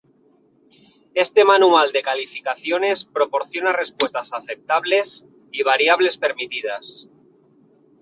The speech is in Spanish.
Este manual de calificaciones proporciona respuestas aceptables y variables permitidas.